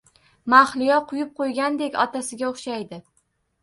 Mahliyo quyib qo`ygandek otasiga o`xshaydi